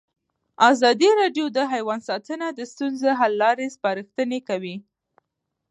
ازادي راډیو د حیوان ساتنه د ستونزو حل لارې سپارښتنې کړي.